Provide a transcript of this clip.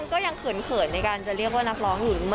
ก็ยังเขินในการจะเรียกว่านักร้องอยู่